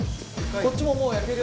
こっちももう焼けるよ。